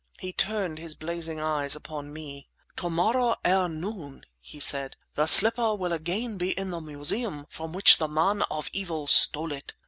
He turned his blazing eyes upon me. "To morrow, ere noon," he said, "the slipper will again be in the Museum from which the man of evil stole it.